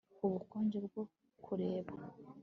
Ubukonje bwo kureba